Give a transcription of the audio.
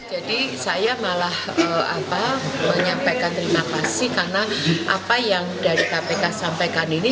jadi saya malah menyampaikan terima kasih karena apa yang dari kpk sampaikan ini